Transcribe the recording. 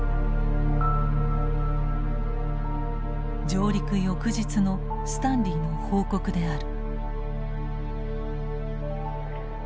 上陸翌日のスタンリーの報告である。